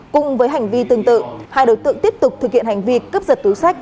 cùng với hành vi tương tự hai đối tượng tiếp tục thực hiện hành vi cướp giật túi sách